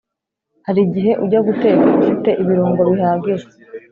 hari igihe ujya guteka ufite ibirungo bihagije